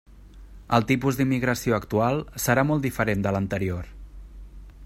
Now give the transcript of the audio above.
El tipus d'immigració actual serà molt diferent de l'anterior.